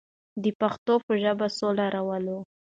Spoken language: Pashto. د پښتو په ژبه سوله راولو.